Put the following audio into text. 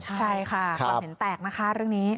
ใช่ค่ะความเห็นแตกนะคะเรื่องนี้